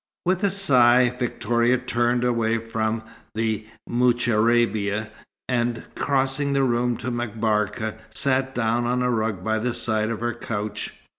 With a sigh, Victoria turned away from the moucharabia, and crossing the room to M'Barka, sat down on a rug by the side of her couch.